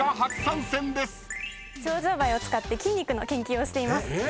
ショウジョウバエを使って筋肉の研究をしています。